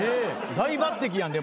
大抜てきやん。